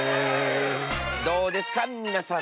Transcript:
どうですかみなさん。